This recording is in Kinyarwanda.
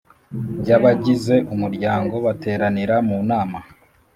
by’abagize Umuryango bateraniye mu nama